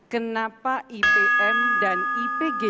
kenapa ipm dan ipg jawa tengah